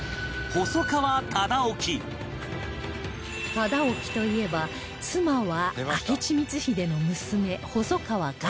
忠興といえば妻は明智光秀の娘細川ガラシャ